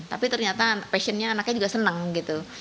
tapi ternyata passionnya anaknya juga senang gitu